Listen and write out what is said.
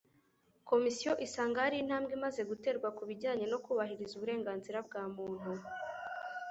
Komisiyo isanga hari intambwe imaze guterwa ku bijyanye no kubahiriza uburenganzira bw’amuntu